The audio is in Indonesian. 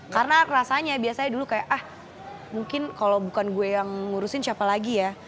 karena rasanya biasanya dulu kayak ah mungkin kalo bukan gue yang ngurusin siapa lagi ya